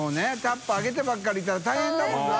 容器あげてばっかりいたら大変だもん淵